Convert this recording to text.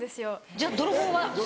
じゃあ泥棒は？